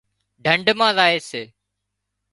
ڍنڍ مان زائي سي